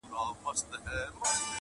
چي پخوا چېرته په ښار د نوبهار کي،